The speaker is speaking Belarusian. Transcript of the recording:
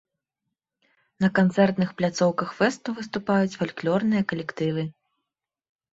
На канцэртных пляцоўках фэсту выступаюць фальклорныя калектывы.